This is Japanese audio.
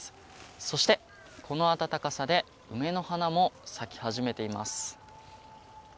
そして、この暖かさで梅の花も咲き始めています。